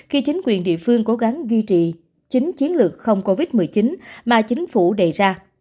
khi chính quyền địa phương cố gắng duy trì chính chiến lược không covid một mươi chín mà chính phủ đề ra